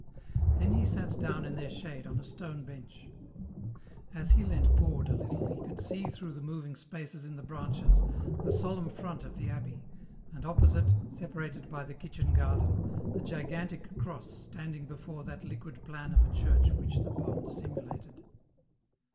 Then he sat down in their shade on a stone bench. As he leant forward a little he could see through the moving spaces in the branches, the solemn front of the abbey, and opposite it, separated by the kitchen garden, the gigantic cross standing before that liquid plan of a church which the pond simulated.